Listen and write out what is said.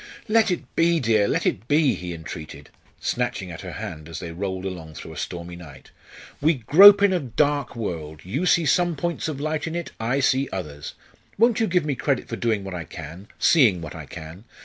"Let it be, dear, let it be!" he entreated, snatching at her hand as they rolled along through a stormy night. "We grope in a dark world you see some points of light in it, I see others won't you give me credit for doing what I can seeing what I can?